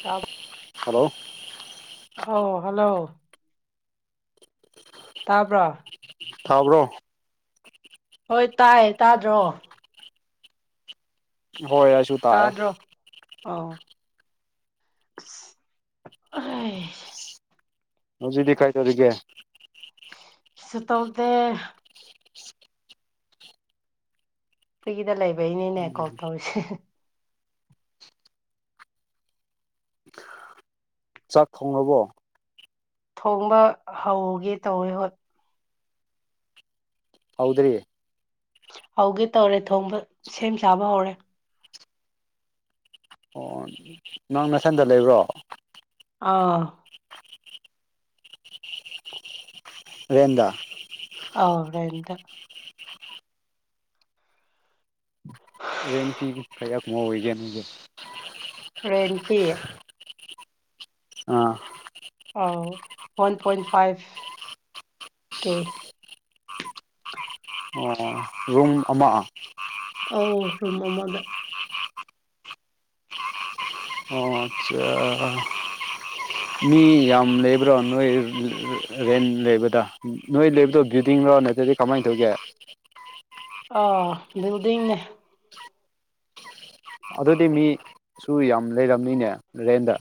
ꯇꯥꯕ ꯍꯂꯣ ꯑꯣꯥꯎ ꯍꯜꯂꯣ ꯇꯥꯕ꯭ꯔꯥꯣ ꯊꯥꯕ꯭ꯔꯣ ꯍꯣꯏ ꯇꯥꯏ ꯇꯥꯗ꯭ꯔꯣ ꯍꯣꯏ ꯑꯩꯁꯨ ꯇꯥꯏꯑꯦ ꯑ [unintelligible] [inaudible] ꯍꯧꯖꯤꯗꯤ ꯀꯥꯏ ꯇ ꯑꯗꯨꯒꯦ ꯁ ꯇꯥꯎꯗ ꯐ꯭ꯔꯤꯗ ꯂꯩꯕꯩꯅꯤꯅꯦ ꯀꯣꯜ ꯎꯝ ꯇꯧꯔꯤꯁꯦ ꯆꯥꯛ ꯊꯣꯡꯉꯕꯣ ꯊꯣꯡꯕ ꯍꯧꯒꯦ ꯇꯧꯋꯦ ꯍꯣ ꯍꯥꯎꯗ꯭ꯔꯔꯤ ꯍꯧꯒꯦ ꯇꯧꯔꯦ ꯊꯣꯡꯕ ꯁꯦꯝ ꯁꯥꯕ ꯍꯧꯔꯦ ꯑꯣ ꯅꯪ ꯅꯁꯟꯗ ꯂꯩꯕ꯭ꯔꯣ ꯑꯥ [inaudible] ꯂꯗꯥ [inaudible] ꯑꯔ ꯑꯦꯇ ꯔꯅꯤ ꯐꯤ ꯀ ꯀꯃ ꯑꯣꯏꯒꯦꯅꯒꯦ ꯔꯦꯟꯁꯤꯤ [inaudible] ꯑꯥ [unintelligible] [inaudible] ꯋꯥꯟ ꯄꯣꯏꯟ ꯐꯥꯏꯚ ꯀꯦ ꯔꯨꯝꯨꯝ ꯑꯃꯃꯛ ꯑꯣ ꯔꯝꯕ ꯃꯗ ꯑꯠꯆꯥ ꯃꯤ ꯌꯥꯝ ꯂꯩꯕ꯭ꯔꯣ ꯅꯣꯏ ꯔꯦꯟ ꯂꯩꯕꯗ ꯅꯣꯏ ꯂꯩꯕꯗꯣ ꯗꯤ ꯣ ꯅꯠꯇꯗꯤ ꯀꯃꯥꯏꯅ ꯇꯧꯒꯦ ꯑꯥ ꯜꯗꯤꯡꯅꯦ [inaudible] ꯑꯗꯨꯗꯤ ꯃꯤꯁꯨ ꯌꯥꯝ ꯂꯩꯔꯝꯅꯤꯅꯦ ꯔꯦꯟꯗ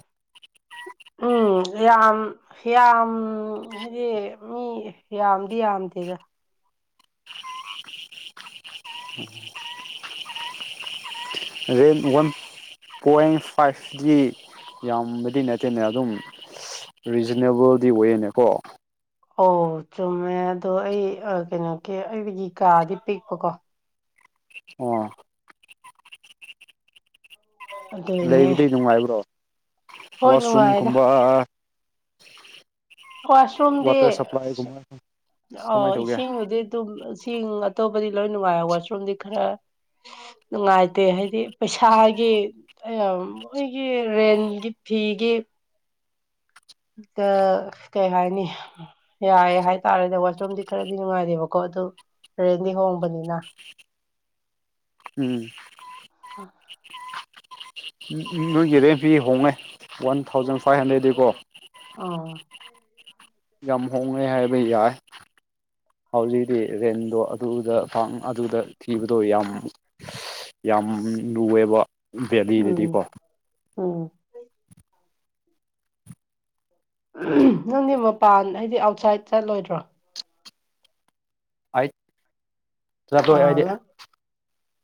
ꯑꯥ [inaudible] [unintelligible] ꯌꯥꯝ ꯌꯥꯝ ꯍꯥꯏꯗꯤ ꯃꯤ ꯌꯥꯝꯗꯤ ꯌꯥꯝꯗꯦꯗ ꯎꯝ [inaudible] ꯔ ꯋꯥꯟ [inaudible] ꯄꯣꯏꯟ ꯐꯥꯏꯚꯗꯤ ꯌꯥꯝꯕꯗꯤ ꯅꯠꯇꯦꯅꯦ ꯑꯗꯨꯝ ꯔꯤꯖꯅꯦꯕꯜꯗꯤ ꯑꯣꯏꯋꯦꯅꯦꯀꯣ ꯑꯣ ꯆꯨꯝꯃꯦ ꯑꯗꯣ ꯑꯩ ꯀꯩꯅꯣꯒꯤ ꯑꯩꯒꯤ ꯀꯥꯗꯤ ꯄꯤꯛꯄꯀꯣ ꯑꯣ [inaudible] ꯑꯗꯨꯏꯅꯦ ꯂꯩꯕꯗꯤ ꯅꯨꯡꯉꯥꯏꯕ꯭ꯔꯣ ꯍꯣꯏ ꯋꯥꯁꯔꯨꯝ ꯅꯨꯡꯉꯥꯏꯗ ꯀꯨꯝꯕ ꯋꯥꯁꯔꯨꯝꯗꯤ ꯋꯥꯇꯔ ꯁꯄ꯭ꯂꯥꯏꯒꯨꯝꯕ ꯑ ꯀꯃꯥꯏꯅ ꯇꯧꯒꯦ ꯏꯁꯤꯡꯕꯨꯗꯤ ꯑꯗꯨꯝ ꯆꯁꯤꯡ ꯑꯇꯣꯧꯕꯗꯤ ꯂꯣꯏ ꯅꯨꯡꯉꯥꯏ ꯋꯥꯁꯔꯨꯝꯗꯤ ꯈꯔ ꯅꯨꯡꯉꯥꯏꯇꯦ ꯍꯥꯏꯗꯤ ꯄꯩꯁꯥꯒꯤ ꯑꯩꯣꯏꯒꯤ ꯔꯦꯟꯒꯤ ꯐꯒꯤ ꯑ ꯀꯩ ꯍꯥꯏꯅꯤ ꯌꯥꯏꯦ ꯍꯥꯏꯇꯥꯔꯦꯅꯦ ꯋꯥꯁꯔꯨꯝꯗꯤ ꯈꯔꯗꯤ ꯅꯨꯡꯉꯥꯏꯗꯦꯕꯀꯣ ꯑꯗꯨ ꯔꯦꯟꯗꯤ ꯍꯣꯡꯕꯅꯤꯅ ꯎꯝ ꯑ ꯅꯣꯏꯒꯤ ꯔꯦꯟ ꯐꯤ ꯍꯣꯡꯉꯦ ꯋꯥꯟ ꯊꯥꯎꯖꯟ ꯐꯥꯏꯚ ꯍꯟꯗ꯭ꯔꯦꯗꯗꯤꯀꯣ ꯑꯥ ꯝ ꯍꯣꯡꯒꯦ ꯍꯥꯏꯕꯩ ꯌꯥꯏ ꯍꯧꯖꯤꯛꯇꯤ ꯔꯦꯟꯗꯣ ꯑꯗꯨꯗ ꯑꯗꯨꯗ ꯊꯤꯕꯗꯣ ꯌꯥꯝ ꯌꯥꯝ ꯂꯨꯑꯦꯕ ꯚꯦꯂꯤꯗꯗꯤꯀꯣ ꯑꯣ ꯅꯪꯗꯤ ꯃꯄꯥꯟ ꯍꯥꯏꯗꯤ ꯑꯥꯎꯠꯁꯥꯏꯠ ꯆꯠꯂꯣꯏꯗ꯭ꯔꯣ ꯍꯥꯏ ꯆꯠꯇꯣꯏ ꯑꯥ ꯍꯥꯏꯗꯤ ꯅꯪ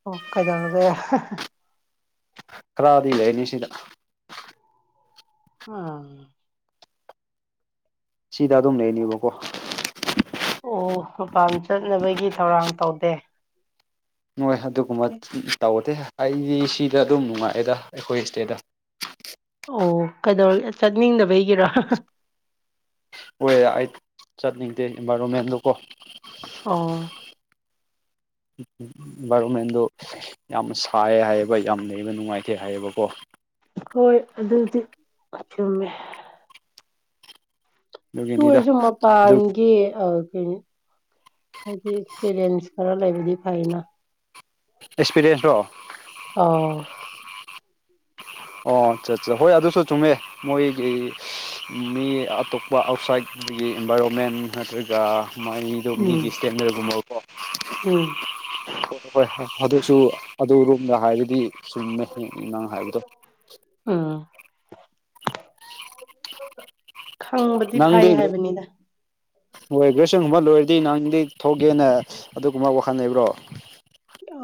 ꯑꯣ ꯀꯩꯗꯧꯅꯒ ꯈꯔꯗꯤ ꯂꯩꯅꯤ ꯁꯤꯗ ꯑꯥ ꯁꯤꯗ ꯑꯗꯨꯝ ꯂꯩꯅꯦꯕꯀꯣ ꯑꯣ ꯃꯄꯥꯟ ꯆꯠꯅꯕꯒꯤ ꯊꯧꯔꯥꯡ ꯇꯧꯗꯦ ꯅꯣꯏ ꯑꯗꯨꯒꯨꯝꯕ ꯇꯧꯗꯤꯦ ꯑꯩꯗꯤ ꯁꯤꯗ ꯑꯗꯨꯝ ꯅꯨꯡꯉꯥꯏꯑꯦꯗ ꯑꯩꯈꯣꯏ ꯁꯤꯗꯦꯗ ꯑꯣ ꯀꯩꯗꯧꯔꯦ ꯆꯠꯅꯤꯡꯗꯕꯩꯒꯤꯔꯣ ꯀꯣꯏ ꯑꯩ ꯆꯠꯅꯤꯡꯗꯦ ꯏꯟꯚꯥꯏꯔꯣꯟꯃꯦꯟꯗꯨꯀꯣ ꯑꯥ ꯔꯣ ꯃꯗ ꯌꯥꯝ ꯁꯥꯏꯌꯦ ꯍꯥꯏꯌꯦꯕ ꯌꯥꯝ ꯂꯩꯕ ꯅꯨꯡꯉꯥꯏꯇꯦ ꯍꯥꯏꯌꯦꯕꯀꯣ ꯍꯣꯏ ꯑꯗꯨꯗꯤ ꯆꯨꯝꯃꯦ ꯇ ꯑꯗꯨꯒꯤꯅꯤꯗ ꯑꯣꯏꯔꯁꯨ ꯑꯗꯨ ꯃꯄꯥꯟꯒꯤ ꯍꯥꯏꯗꯤ ꯑꯦꯛꯁꯄꯤꯔꯤꯌꯦꯟꯁ ꯈꯔ ꯂꯩꯕꯗꯤ ꯐꯅ ꯑꯦꯛꯁꯄꯤꯔꯤꯌꯦꯟꯁꯇꯣ ꯑꯥ ꯑꯣ ꯆꯠ ꯍꯣꯏ ꯑꯗꯨꯁꯨ ꯆꯨꯝꯃꯦ ꯃꯣꯏꯒꯤ ꯃꯤ ꯑꯇꯣꯞꯄ ꯑꯥꯎꯠꯁꯥꯏꯠꯒꯤ ꯏꯟꯚꯥꯏꯔꯣꯟꯃꯦꯟ ꯅꯠꯇ꯭ꯔꯒ ꯃꯥꯥꯏꯗꯣ ꯎꯝ ꯃꯤꯒꯤ ꯏꯁꯇꯦꯟꯗꯔꯒꯨꯝꯕ ꯎꯝ ꯍꯣꯏ ꯑꯗꯨꯁꯨ ꯑꯗꯨ ꯔꯣꯝꯗ ꯍꯥꯏꯕꯗꯤ ꯆꯨꯝꯃꯦ ꯅꯪ ꯍꯥꯏꯕꯗꯣ ꯑ ꯈꯪꯕꯗꯤ ꯐꯩ ꯅꯪꯗꯤ ꯍꯥꯏꯕꯅꯤꯗ ꯍꯣꯏꯒ꯭ꯔꯦꯁꯟꯒꯨꯝꯕ ꯂꯣꯏꯔꯗꯤ ꯅꯪ ꯀ ꯊꯣꯛꯒꯦꯅ ꯑꯗꯨꯒꯨꯝꯕ ꯋꯥꯈꯜ ꯂꯩꯕ꯭ꯔꯣ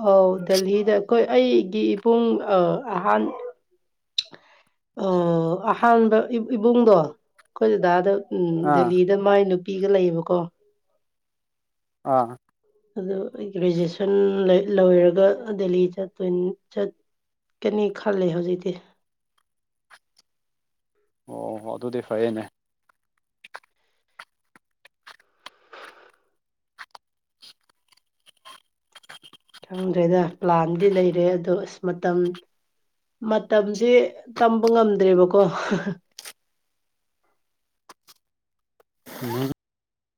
ꯑꯧ ꯗꯦꯜꯍꯤꯗ ꯑꯩꯈꯣꯏ ꯑꯩꯒꯤ ꯏꯕꯨꯡ ꯑꯍꯥꯟ ꯑꯍꯥꯟꯕ ꯏꯕꯨꯡꯗꯣ ꯑꯩꯈꯣꯏ ꯗꯥꯗ ꯎ ꯑꯥ ꯗꯦꯜꯂꯤꯗ ꯃꯥꯏ ꯅꯨ ꯄꯤꯒ ꯂꯩꯌꯦꯕꯀꯣ ꯑ ꯑꯗꯨ ꯑꯩ ꯒ꯭ꯔꯦꯖꯨꯑꯦꯁꯟ ꯂꯣꯏꯔꯒ ꯗꯦꯜꯂꯤ ꯆꯠꯇꯣꯏ ꯀꯅꯤ ꯈꯜꯂꯦ ꯍꯧꯖꯤꯛꯇꯤ ꯑꯣ ꯑꯗꯨꯗꯤ ꯐꯩꯌꯦꯅꯦ [unintelligible] ꯈꯪꯗ꯭ꯔꯦꯗ ꯄ꯭ꯂꯥꯟꯗꯤ ꯂꯩꯔꯦ ꯑꯗꯣ ꯑꯁ ꯃꯇꯝ ꯃꯇꯝꯁꯦ ꯇꯝꯕ ꯉꯝꯗ꯭ꯔꯦꯕꯀꯣ [inaudible] ꯎ